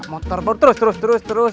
motor pun terus terus terus